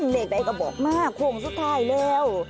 เลขใดก็บอกมาโค้งสุดท้ายแล้ว